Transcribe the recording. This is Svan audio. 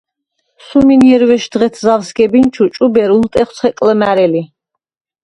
სუმინჲერვეშდ ღეთ ზავ სგებინჩუ ჭუბერ ულტეხვ ცხელ ლჷმა̈რელი.